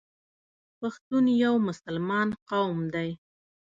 پښتون یو مسلمان قوم دی.